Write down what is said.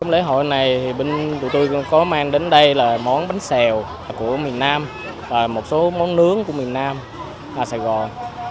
lễ hội này bên tụi tôi có mang đến đây là món bánh xèo của miền nam và một số món nướng của miền nam sài gòn